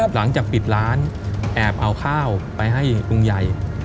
หลังจากปิดร้านแอบเอาข้าวไปให้ลุงใหญ่